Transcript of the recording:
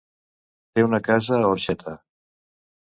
Té una casa a Orxeta.